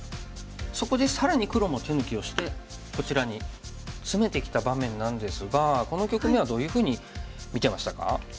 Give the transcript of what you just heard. そこで更に黒も手抜きをしてこちらにツメてきた場面なんですがこの局面はどういうふうに見てましたか？